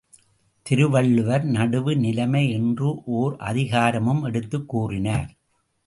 திருவள்ளுவர் நடுவுநிலைமை என்று ஓர் அதிகாரமும் எடுத்துக் கூறினார்.